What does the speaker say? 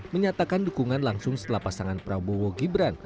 menyatakan dukungan langsung setelah pasangan prabowo gibran